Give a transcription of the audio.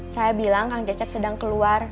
saya bilang kang cecep sedang keluar